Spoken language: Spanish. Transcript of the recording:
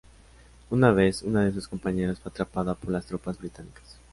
Una vez, una de sus compañeras fue atrapada por las tropas británicas.